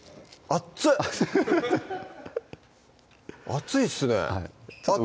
熱いっすね熱っ！